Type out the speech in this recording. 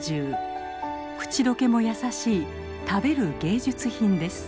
口溶けもやさしい食べる芸術品です。